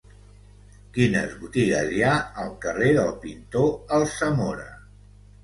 Quines botigues hi ha al carrer del Pintor Alsamora?